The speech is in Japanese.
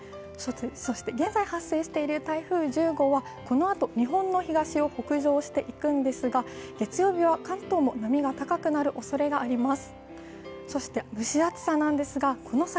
そして現在発生している台風１０号はこのあと日本の東を北上していくんですが、月曜日は関東も波が高くなるおそれがあります